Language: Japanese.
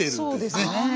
そうですね。